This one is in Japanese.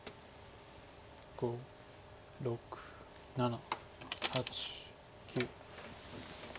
５６７８９。